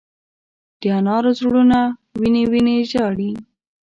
د انارو زړونه وینې، وینې ژاړې